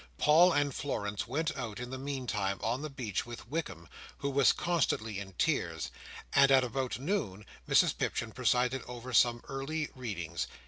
Paul and Florence went out in the meantime on the beach with Wickam—who was constantly in tears—and at about noon Mrs Pipchin presided over some Early Readings.